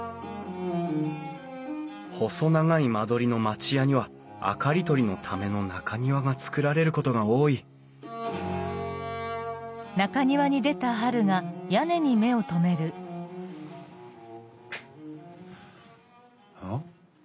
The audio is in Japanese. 細長い間取りの町家には明かり取りのための中庭が造られることが多いあ？